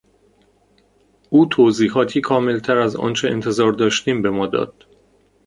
او توضیحاتی کاملتر از آنچه انتظار داشتیم به ما داد.